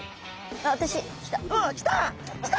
あっきた！